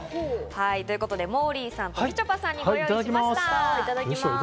モーリーさんとみちょぱさんにご用意しました。